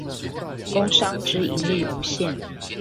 工商之盈利無限